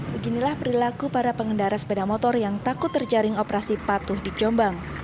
beginilah perilaku para pengendara sepeda motor yang takut terjaring operasi patuh di jombang